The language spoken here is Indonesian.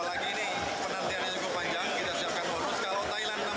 apalagi ini penantiannya cukup panjang